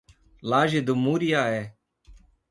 Laje do Muriaé